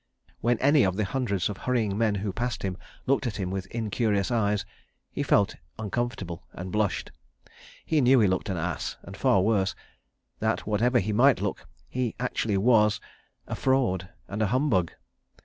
When any of the hundreds of hurrying men who passed him looked at him with incurious eyes, he felt uncomfortable, and blushed. He knew he looked an ass, and, far worse, that whatever he might look, he actually was—a fraud, and a humbug.